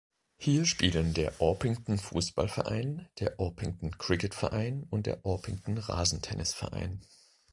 Hier spielen der Orpington Fußballverein, der Orpington Kricketverein und der Orpington Rasentennisverein.